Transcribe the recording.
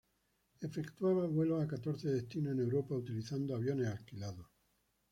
Efectuaba vuelos a catorce destinos en Europa utilizando aviones alquilados.